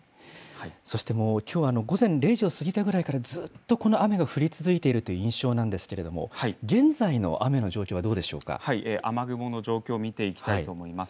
そしてもうきょう午前０時を過ぎたぐらいから、ずっとこの雨が降り続いているという印象なんですけれども、現在の雨の状況は雨雲の状況を見ていきたいと思います。